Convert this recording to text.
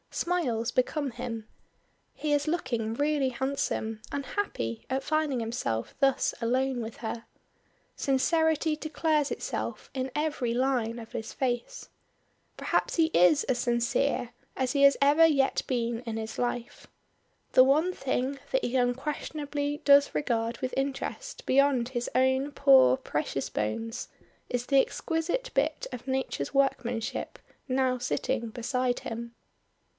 Smiles become him. He is looking really handsome and happy at finding himself thus alone with her. Sincerity declares itself in every line of his face. Perhaps he is as sincere as he has ever yet been in his life. The one thing that he unquestionably does regard with interest beyond his own poor precious bones, is the exquisite bit of nature's workmanship now sitting beside him.